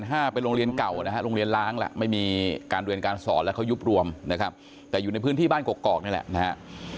ห้าเป็นโรงเรียนเก่านะฮะโรงเรียนล้างแหละไม่มีการเรียนการสอนแล้วเขายุบรวมนะครับแต่อยู่ในพื้นที่บ้านกอกนี่แหละนะฮะ